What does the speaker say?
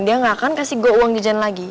dia gak akan kasih gue uang jejak lagi